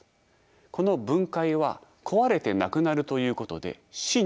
この分解は壊れてなくなるということで死に相当します。